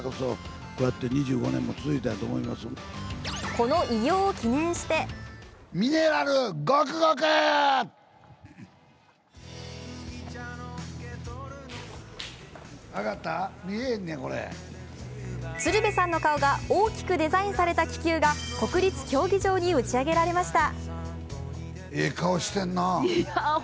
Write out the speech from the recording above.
この偉業を記念して鶴瓶さんの顔が大きくデザインされた気球が国立競技場に打ち上げられました。